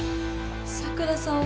桜さん。